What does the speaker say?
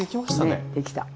ねできた。